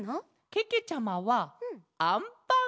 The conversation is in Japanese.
けけちゃまはあんパン。